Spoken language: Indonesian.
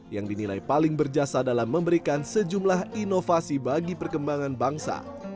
yang dinilai paling berjasa dalam memberikan sejumlah inovasi bagi perkembangan bangsa